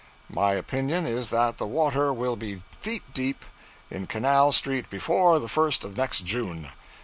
My opinion is that the water will be feet deep in Canal street before the first of next June.